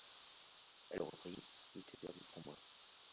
Elle reprit : Il était perdu pour moi.